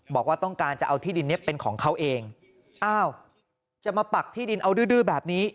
บอกว่าต้องการจะเอาที่ดินนี้เป็นของเขาเองอ้าวจะมาปักที่ดินเอาดื้อดื้อแบบนี้